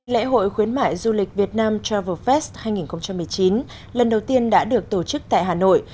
lễ hội khuyến mại du lịch việt nam travel fest hai nghìn một mươi chín lần đầu tiên đã được tổ chức tại hà nội